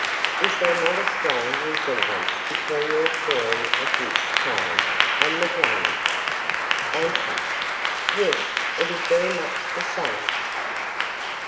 Is there not a strong resemblance between your story of this crime and the drama? A. Yes, it is very much the same.